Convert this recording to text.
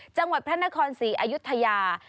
จังหวัดพระนครศรีอายุทยา